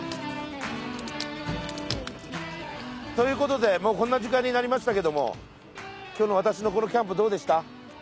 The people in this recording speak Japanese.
いうことでもうこんな時間になりましたけども日の私のこのキャンプどうでした？